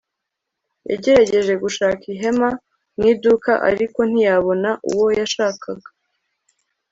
Yagerageje gushaka ihema mu iduka ariko ntiyabona uwo yashakaga